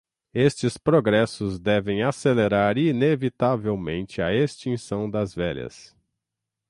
Estes progressos devem acelerar inevitavelmente a extinção das velhas